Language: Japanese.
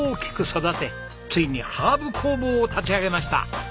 ついにハーブ工房を立ち上げました。